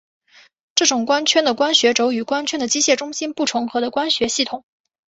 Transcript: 这种光圈的光学轴与光圈的机械中心不重合的光学系统。